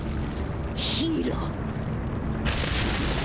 ヒーロー。